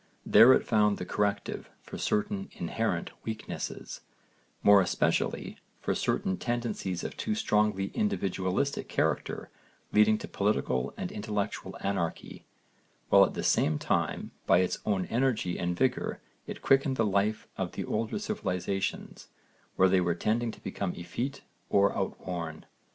There it found the corrective for certain inherent weaknesses, more especially for certain tendencies of too strongly individualistic character leading to political and intellectual anarchy, while at the same time by its own energy and vigour it quickened the life of the older civilisations where they were tending to become effete or outworn.